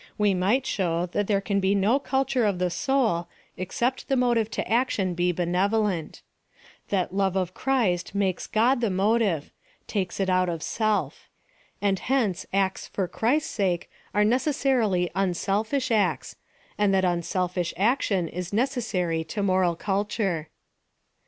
We might show that there can be no culture of the soul except the motive to action be benevolent That love of Christ makes God the motive — takes it out of self; and hence acts for Christ's sake are necessarily unselfish acts, and that unselfish action is necessary to moral culture.